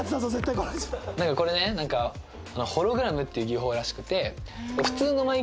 これねなんかホログラムっていう技法らしくて。